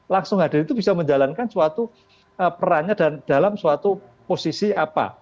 langsung hadir itu bisa menjalankan suatu perannya dan dalam suatu posisi apa